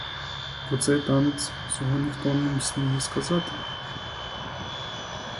Про цей танець цього ніхто не сміє сказати.